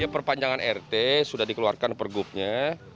perpanjangan rt sudah dikeluarkan pergubnya